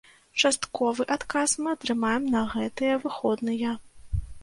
Частковы адказ мы атрымаем на гэтыя выходныя.